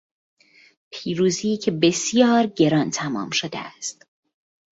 پیروزی که بسیار گران تمام شده است